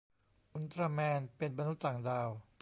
อุลตร้าแมน เป็นมนุษย์ต่างดาว